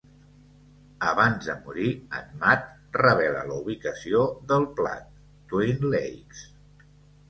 Abans de morir, en Matt revela la ubicació del plat: Twin Lakes.